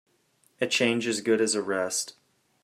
A change is as good as a rest.